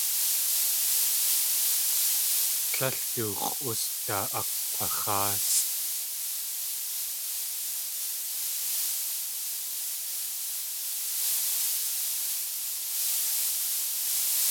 Tlél du x̲ʼus daa akg̲waxáasʼ.